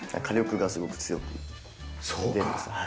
火力がすごく強く出るんです。